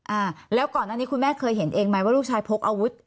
อ่าแล้วก่อนหน้านี้คุณแม่เคยเห็นเองไหมว่าลูกชายพกอาวุธ